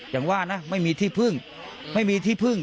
อย่างว่านะไม่มีที่พึ่งไม่มีที่พึ่ง